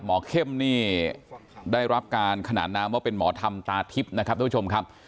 เข้มนี่ได้รับการขนานนามว่าเป็นหมอธรรมตาทิพย์นะครับทุกผู้ชมครับ